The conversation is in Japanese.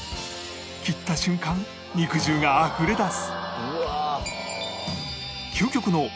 切った瞬間肉汁があふれ出す